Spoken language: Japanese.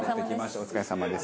お疲れさまです。